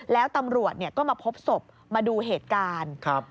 แล้วตำรวจก็มาพบศพมาดูเหตุการณ์